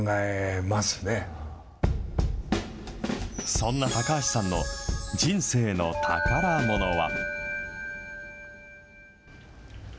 そんな高橋さんの人生の宝ものは。